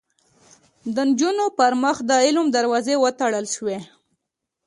د نجونو پر مخ د علم دروازې وتړل شوې